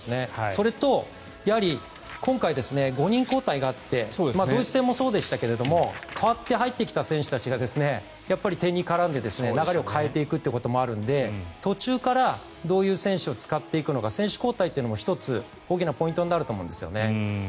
それと、やはり今回５人交代があってドイツ戦もそうでしたが代わって入ってきた選手たちが点に絡んで流れを変えていくこともあるので途中からどういう選手を使っていくのか選手交代も１つ大きなポイントになると思うんですよね。